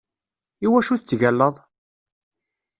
Iwacu tettgallaḍ?